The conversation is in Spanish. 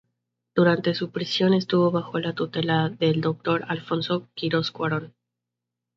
Durante su prisión estuvo bajo la tutela del doctor Alfonso Quiroz Cuarón.